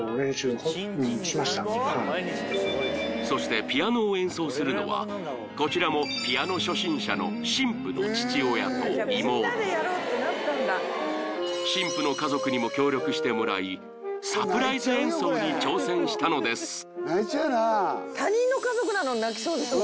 そしてピアノを演奏するのはこちらもピアノ初心者の新婦の父親と妹新婦の家族にも協力してもらいサプライズ演奏に挑戦したのです